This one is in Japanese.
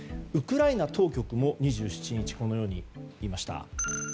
ウクライナ当局も２７日このように言いました。